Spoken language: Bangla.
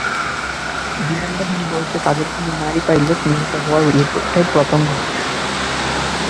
বিমানবাহিনী বলেছে, তাদের কোনো নারী পাইলট নিহত হওয়ার এটাই প্রথম ঘটনা।